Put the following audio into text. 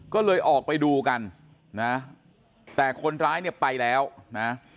ก็เลยออกไปดูกันนะแต่คนร้ายเนี่ยไปแล้วนะ